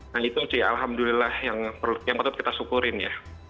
nah itu sih alhamdulillah yang patut kita syukurin ya